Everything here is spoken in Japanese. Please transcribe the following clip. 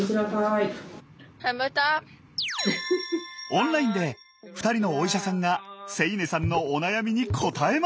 オンラインで２人のお医者さんが星音さんのお悩みに答えます。